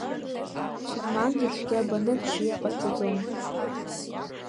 Цәыгьмангьы цәгьа баны бзиа ҟаиҵаӡом.